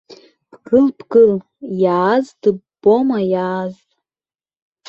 Бгыл, бгыл, иааз дыббома, иааз!